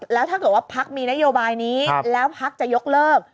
แล้วถ้าเกิดว่าพักมีนโยบายนี้แล้วพักจะยกเลิก